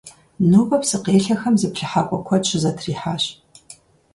Нобэ псыкъелъэхэм зыплъыхьакӀуэ куэд щызэтрихьащ.